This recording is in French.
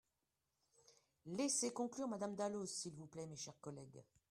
Laissez conclure Madame Dalloz, s’il vous plaît, mes chers collègues.